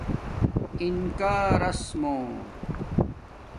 اِنکارس مُو